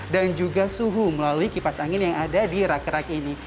dan juga suhu melalui kipas angin yang ada di rak rak ini